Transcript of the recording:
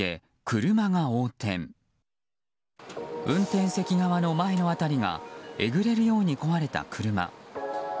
運転席側の前の辺りがえぐれるように壊れた車。